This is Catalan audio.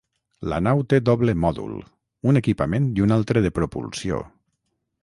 La nau té doble mòdul, un equipament i un altre de propulsió.